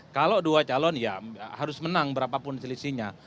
kalau dua calon ya harus menang berapapun selisihnya